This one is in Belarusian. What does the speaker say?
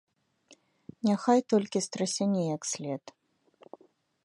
Няхай толькі страсяне як след!